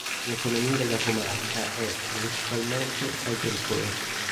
L'economia della comarca è, principalmente, agricola.